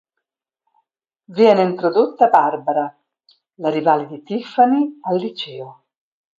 Viene introdotta Barbara, la rivale di Tiffany al liceo.